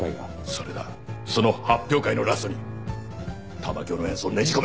それだその発表会のラストに玉響の演奏をねじ込め！